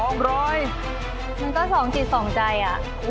มันก็สองจิตสองใจอ่ะ